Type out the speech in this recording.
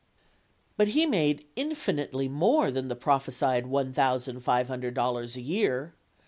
But he made infinitely more than the prophesied one thousand, five hundred dollars a year.